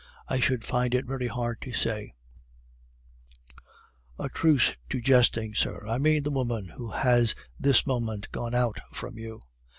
I should find it very hard to say ' "'A truce to jesting, sir! I mean the woman who has this moment gone out from you.